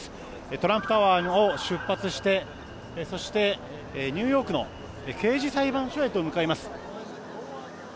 トランプタワーを出発してそして、ニューヨークの刑事裁判所へと向かいます。